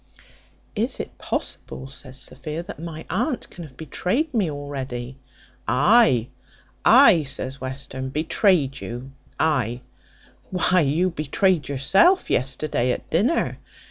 "Is it possible," says Sophia, "that my aunt can have betrayed me already?" "Ay, ay," says Western; "betrayed you! ay. Why, you betrayed yourself yesterday at dinner.